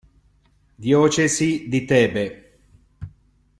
Diocesi di Tebe